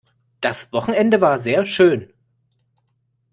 Das Wochenende war sehr schón.